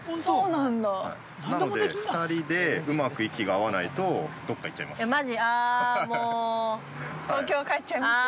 なので、２人でうまく息が合わないとどっか行っちゃいます。